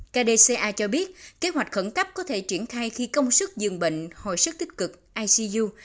kdca cho biết kế hoạch khẩn cấp có thể triển khai khi công sức giường bệnh hồi sức tích cực icu